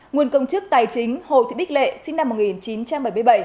nguồn công chức tài chính hồ thị bích lệ sinh năm một nghìn chín trăm bảy mươi bảy